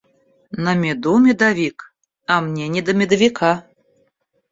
На меду медовик, а мне не до медовика.